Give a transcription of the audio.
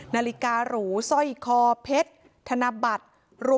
นาฬิการูสร้อยคอเพชรธนบัตร